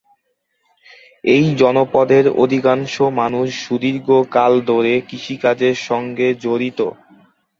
এই জনপদের অধিকাংশ মানুষ সুদীর্ঘ কাল ধরে কৃষিকাজের সঙ্গে জড়িত।